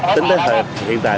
tính đến thời hiện tại